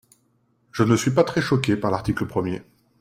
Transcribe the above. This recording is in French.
Je ne suis pas très choqué par l’article premier.